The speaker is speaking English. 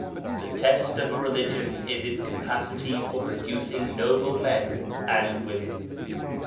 The test of a religion is its capacity for producing noble men and women.